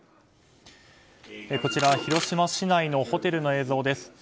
こちら広島市内のホテルの映像です。